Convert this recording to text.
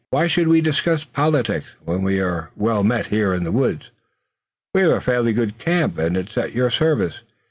Why should we discuss politics, when we are well met here in the woods? We have a fairly good camp, and it's at your service.